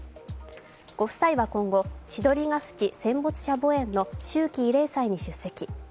ご夫妻は今後、千鳥ヶ淵戦没者墓苑の秋季慰霊祭に出席。